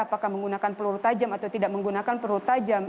apakah menggunakan peluru tajam atau tidak menggunakan peluru tajam